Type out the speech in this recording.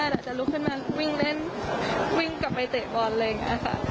แล้วจะลุกขึ้นมาวิ่งเล่นวิ่งกลับไปเตะบอลเลยนะคะ